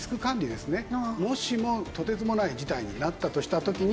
もしもとてつもない事態になったとした時に。